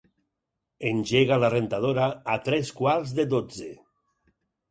Engega la rentadora a tres quarts de dotze.